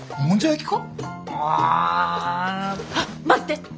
あ。あっ待って。